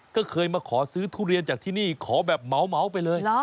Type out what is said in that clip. ก็เคยมาขอซื้อทุเรียนจากที่นี่ขอแบบเหมาไปเลย